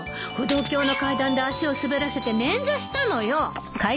歩道橋の階段で足を滑らせて捻挫したのよ。